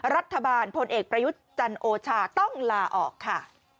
รัฐบาลพลเอกประยุจจันทร์โอชาต้องลาออกค่ะ